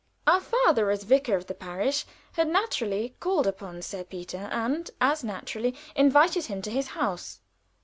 Our father, as vicar of the parish, had naturally called upon Sir Peter, and as naturally invited him to his house.